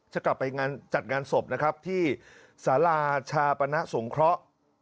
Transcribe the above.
จะกลับไปจัดงานศพนะครับที่สาราชาปณะสงเคราะห์